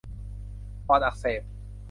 ปอดอักเสบ